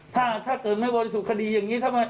ถ้าเกิดไม่บริสุทธิคดีอย่างนี้